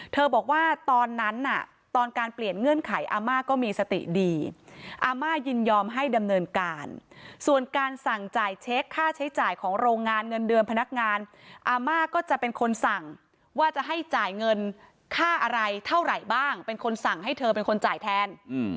บอกว่าตอนนั้นน่ะตอนการเปลี่ยนเงื่อนไขอาม่าก็มีสติดีอาม่ายินยอมให้ดำเนินการส่วนการสั่งจ่ายเช็คค่าใช้จ่ายของโรงงานเงินเดือนพนักงานอาม่าก็จะเป็นคนสั่งว่าจะให้จ่ายเงินค่าอะไรเท่าไหร่บ้างเป็นคนสั่งให้เธอเป็นคนจ่ายแทน